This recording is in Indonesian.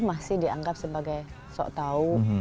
masih dianggap sebagai sok tahu